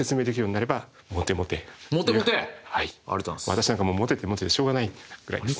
私なんかモテてモテてしょうがないぐらいです。